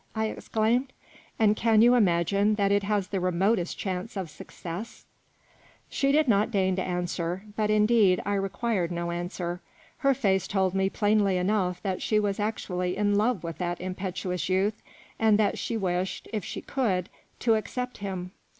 " I exclaimed ;" and can you imagine that it has the remotest chance of success ?" She did not deign to answer ; but indeed I required no answer. Her face told me plainly enough that she was actually in love with that impetuous youth, and that she wished, if she could, to accept him.